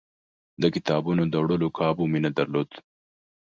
د کتابونو د وړلو کابو مې نه درلود.